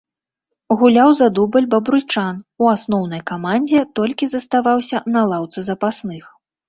Гуляў за дубль бабруйчан, у асноўнай камандзе толькі заставаўся на лаўцы запасных.